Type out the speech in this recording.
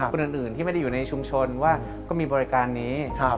คนอื่นที่ไม่ได้อยู่ในชุมชนว่าก็มีบริการนี้